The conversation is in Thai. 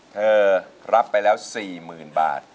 เธอรับไปแล้ว๔๐๐๐บาท